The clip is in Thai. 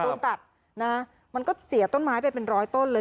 โดนตัดนะมันก็เสียต้นไม้ไปเป็นร้อยต้นเลย